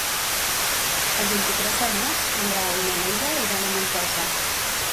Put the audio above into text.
El vint-i-tres de maig en Grau i na Neida iran a Montesa.